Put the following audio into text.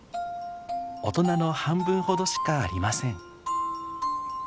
大人の半分ほどしかありません。